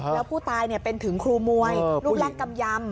แล้วผู้ตายเป็นถึงครูมวยรูปร่างกำยำ